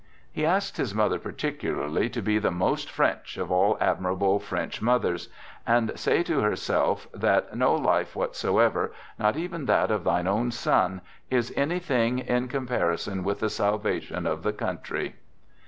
He asks his mother particularly to be " the most French " of all admirable French 49 SO "THE GOOD SOLDIER" mothers, and say to herself that " no life whatso ever, not even that of thine own son, is anything in comparison with the salvation of the country."